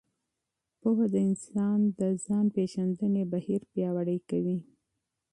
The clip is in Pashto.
پوهه د انسان د ځان پېژندنې بهیر پیاوړی کوي.